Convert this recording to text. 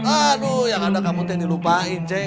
aduh yang ada kamu tuh yang dilupain cek